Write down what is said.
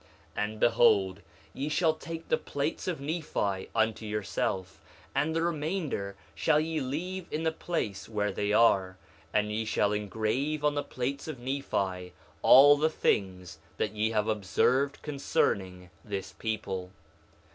1:4 And behold, ye shall take the plates of Nephi unto yourself, and the remainder shall ye leave in the place where they are; and ye shall engrave on the plates of Nephi all the things that ye have observed concerning this people.